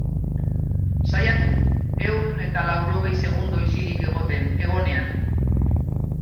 Saiatu ehun eta laurogei segundo isilik egoten, egonean.